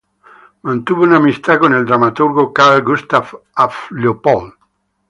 Mantuvo una amistad con el dramaturgo Carl Gustaf af Leopold.